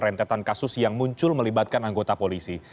rentetan kasus yang muncul melibatkan anggota polisi